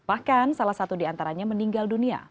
bahkan salah satu diantaranya meninggal dunia